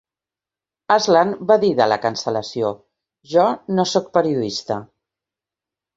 Aslan va dir de la cancel·lació: "Jo no sóc periodista".